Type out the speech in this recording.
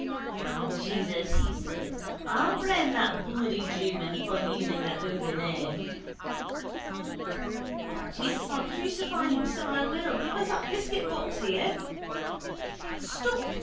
—By Jesus, says he, I'll brain that bloody jewman for using the holy name. By Jesus, I'll crucify him so I will. Give us that biscuitbox here. —Stop!